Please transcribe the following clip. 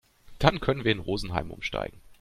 Dann können wir in Rosenheim umsteigen.